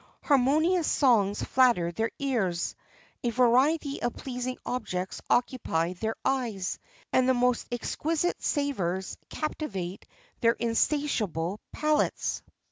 Harmonious songs flatter their ears, a variety of pleasing objects occupy their eyes, and the most exquisite savours captivate their insatiable palates."